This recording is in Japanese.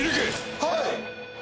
はい！